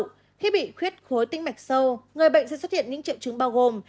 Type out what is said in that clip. khi bị huyết khối tinh mạch sâu người bệnh sẽ xuất hiện những triệu chứng bao gồm